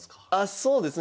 そうですね。